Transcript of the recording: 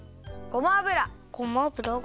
ごま油。